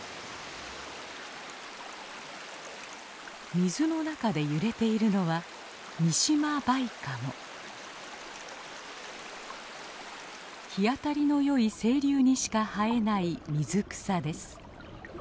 水の中で揺れているのは日当たりの良い清流にしか生えない水草です。